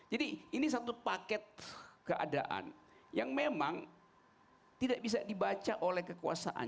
jadi ini satu paket keadaan yang memang tidak bisa dibaca oleh kekuasaan